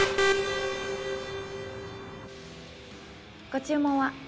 ご注文は？